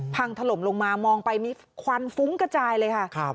พังถล่มลงมามองไปมีควันฟุ้งกระจายเลยค่ะ